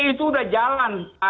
klb itu sudah jalan